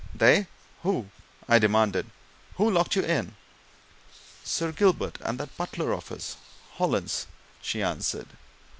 "They? Who?" I demanded. "Who locked you in?" "Sir Gilbert and that butler of his Hollins," she answered.